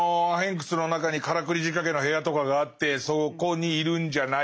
窟の中にからくり仕掛けの部屋とかがあってそこにいるんじゃないかとか。